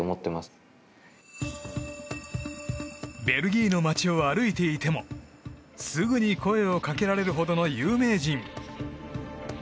ベルギーの街を歩いていてもすぐに声を掛けられるほどの有名人。